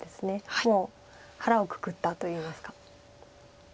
もう腹をくくったというんですか。